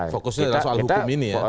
fokusnya adalah soal hukum ini ya